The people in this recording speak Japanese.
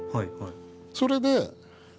それで。